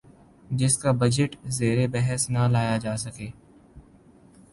جس کا بجٹ زیربحث نہ لایا جا سکے